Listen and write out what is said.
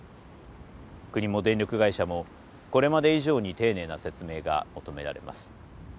国も電力会社もこれまで以上に丁寧な説明が求められます。